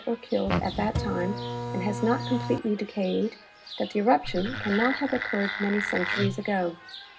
or killed at that time and has not comj^letely decayed, that the eruption cannot have occurred many centuries ago.